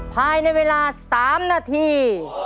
ภายในเวลา๓นาที